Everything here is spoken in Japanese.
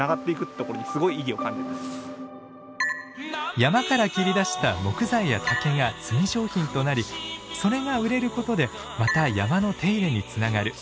山から切り出した木材や竹が炭商品となりそれが売れることでまた山の手入れにつながる。